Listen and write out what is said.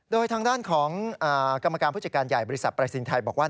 โดยทางด้านของกรรมการผู้จัดการใหญ่บริษัทปรายศนีย์ไทยบอกว่า